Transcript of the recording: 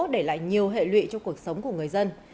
để lại nhiều hệ lụy cho cuộc sống của người dân